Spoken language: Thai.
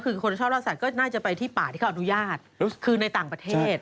คือคนชอบล่าสัตว์น่าจะไปที่ป่าที่เขาอนุญาตคือในต่างประเทศ